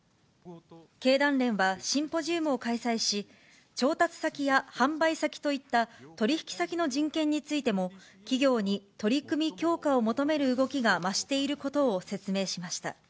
経団連は、シンポジウムを開催し、調達先や販売先といった取り引き先の人権についても、企業に取り組み強化を求める動きが増していることを説明しました。